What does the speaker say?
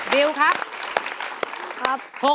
บิวครับครับ